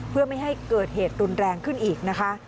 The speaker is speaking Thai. เพื่อไม่ให้เกิดเหตุรุนแรงขึ้นอีกนะคะ